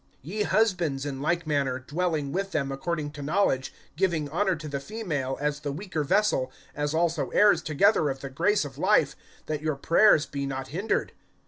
(7)Ye husbands, in like manner, dwelling with them according to knowledge, giving honor to the female, as the weaker vessel, as also heirs together of the grace of life; that your prayers be not hindered.